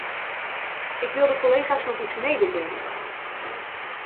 Ik wil de collega's nog iets mededelen.